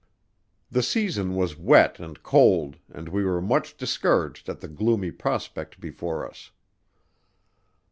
The season was wet and cold, and we were much discouraged at the gloomy prospect before us.